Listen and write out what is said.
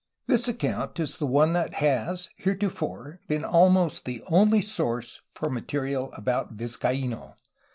This account is the one that has heretofore been almost the only source for material about Vizcaino.